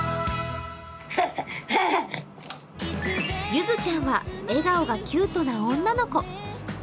ゆずちゃんは笑顔がキュートな女の子。